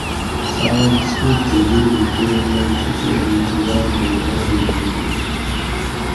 سہ آج سکول تھی ڈیوی کیٹ می چھٹیاں انتظار مے بانزہ دیونش